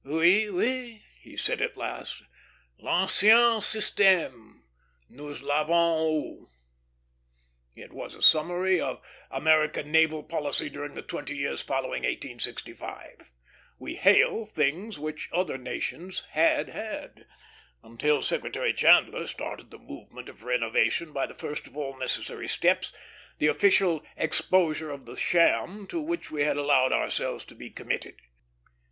"Oui, oui!" he said at last; "l'ancien systême. Nous l'avons eu." It was a summary of American naval policy during the twenty years following 1865; we "hail" things which other nations "had had," until Secretary Chandler started the movement of renovation by the first of all necessary steps, the official exposure of the sham to which we had allowed ourselves to be committed.